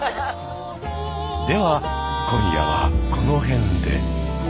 では今夜はこの辺で。